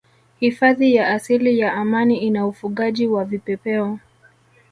Hifadhi ya asili ya Amani ina ufugaji wa Vipepeo